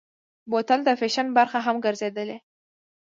بوتل د فیشن برخه هم ګرځېدلې.